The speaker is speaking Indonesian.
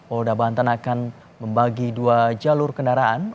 polda banten akan membagi dua jalur kendaraan